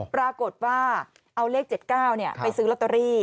ปรากฏว่าเอาเลข๗๙ไปซื้อลอตเตอรี่